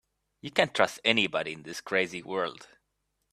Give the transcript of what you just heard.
You can't trust anybody in this crazy world.